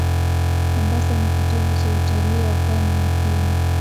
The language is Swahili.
Mombasa ni kitovu cha utalii wa pwani ya Kenya.